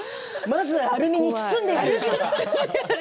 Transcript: まずはアルミに包んでやる。